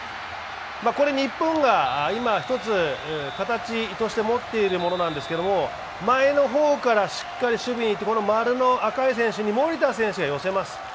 これ、日本が今、一つ形として持っているものなんですけれども前の方からしっかり守備に行って、赤い○の選手、守田選手にのせます